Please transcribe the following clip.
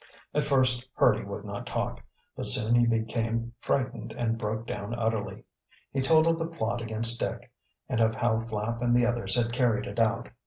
At first Hurdy would not talk, but soon he became frightened and broke down utterly. He told of the plot against Dick, and of how Flapp and the others had carried it out.